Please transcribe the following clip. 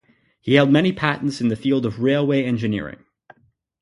He held many patents in the field of railway engineering.